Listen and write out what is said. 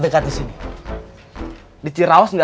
selama ini dia sampai ke kota